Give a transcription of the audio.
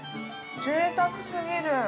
◆ぜいたくすぎる！